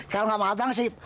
kalau nggak mau abang sih